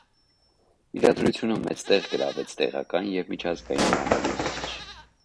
Իրադարձութիւնը մեծ տեղ գրաւեց տեղական եւ միջազգային մամուլին մէջ։